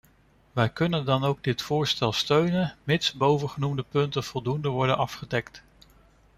Wij kunnen dan ook dit voorstel steunen mits bovengenoemde punten voldoende worden afgedekt.